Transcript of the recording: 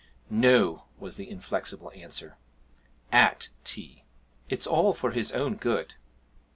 'No,' was the inflexible answer, 'at tea. It's all for his own good.'